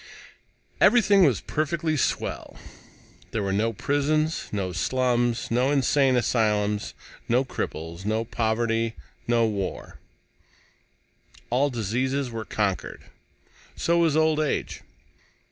Everything was perfectly swell. There were no prisons, no slums, no insane asylums, no cripples, no poverty, no wars. All diseases were conquered. So was old age.